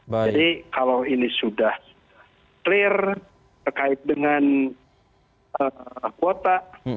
jadi kalau ini sudah jelas terkait dengan kuota